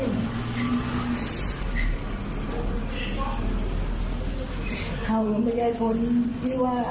ไม่ได้รับการมีโลศัพท์จำบุญตลอด